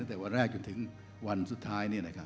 ตั้งแต่วันแรกจนถึงวันสุดท้ายนี่แหละครับ